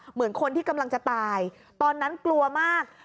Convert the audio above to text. เหมือนคนที่กำลังจะตายตอนนั้นกลัวมาก